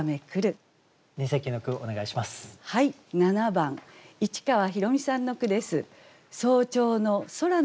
７番市川浩実さんの句です。